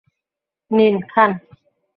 নিন, খান।